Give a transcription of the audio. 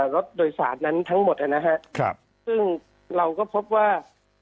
รถโดยสารนั้นทั้งหมดนะฮะซึ่งเราก็พบว่า